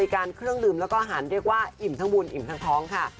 การเครื่องดื่มแล้วก็อาหารเรียกว่าอิ่มทั้งบุญอิ่มทั้งท้องค่ะ